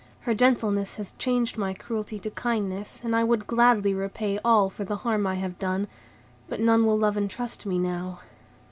Her gentleness has changed my cruelty to kindness, and I would gladly repay all for the harm I have done; but none will love and trust me now."